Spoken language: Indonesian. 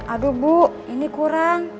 aduh bu ini kurang